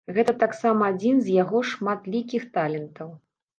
Гэта таксама адзін з яго шматлікіх талентаў.